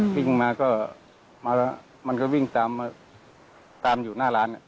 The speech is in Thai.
วิ่งมาก็มาแล้วมันก็วิ่งตามมาตามอยู่หน้าร้าน